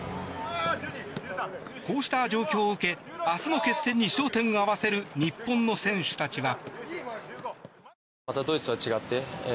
こうした状況を受け明日の決戦に焦点を合わせる日本の選手たちは。